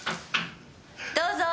どうぞ。